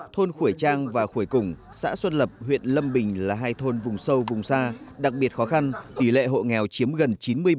thôn khuổi trang và khuổi củng xã xuân lập huyện lâm bình là hai thôn vùng sâu vùng xa đặc biệt khó khăn tỷ lệ hộ nghèo chiếm gần chín mươi